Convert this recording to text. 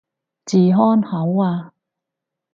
治安好啊